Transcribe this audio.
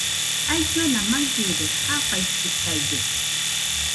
Ailluena maɨde, jafaikɨtaide.